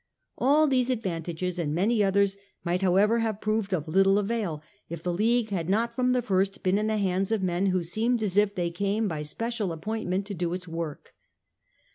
All these advantages and many others might, however, have proved of little avail if the League had not from the first been in the hands of men who seemed as if they came by special appoint ment to do its work.